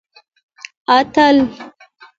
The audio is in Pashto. اتل